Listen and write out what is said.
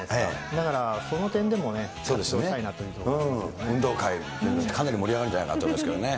だから、その点でもね、活動した運動会、かなり盛り上がるんじゃないかと思いますけどね。